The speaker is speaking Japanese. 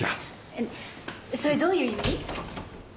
えっそれどういう意味？